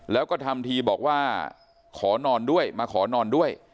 แล้วก็ทำทีบอกว่าขอนอนด้วยมาขอนอนด้วย